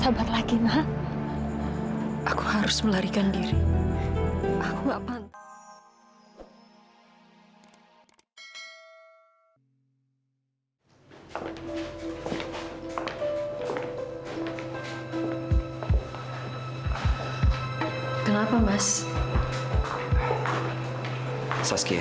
dimana lagi saya bisa menemukan pria yang begitu mencintai saya